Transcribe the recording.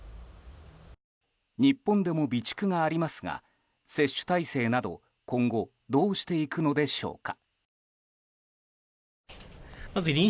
日本でも備蓄がありますが接種体制など今後どうしていくのでしょうか。